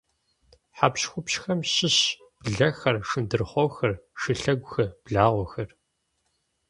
Хьэпщхупщхэм щыщщ блэхэр, шындрыхъуохэр, шылъэгухэр, благъуэхэр.